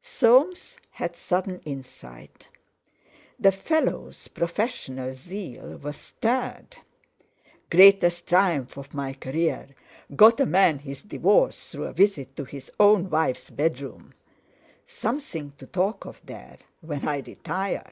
Soames had sudden insight. The fellow's professional zeal was stirred: "Greatest triumph of my career; got a man his divorce through a visit to his own wife's bedroom! Something to talk of there, when I retire!"